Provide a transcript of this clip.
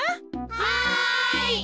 はい。